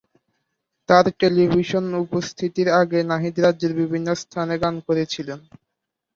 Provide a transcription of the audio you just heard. তার টেলিভিশন উপস্থিতির আগে নাহিদ রাজ্যের বিভিন্ন স্থানে গান করেছিলেন।